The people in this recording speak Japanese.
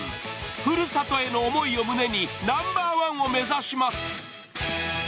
ふるさとへの思いを胸にナンバーワンを目指します。